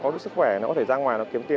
so với túi tiền của người mẹ